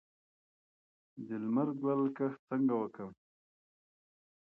د لمر ګل کښت څنګه وکړم؟